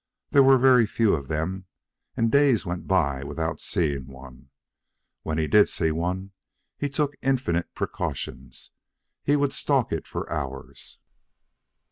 There were very few of them, and days went by without seeing one. When he did see one, he took infinite precautions. He would stalk it for hours.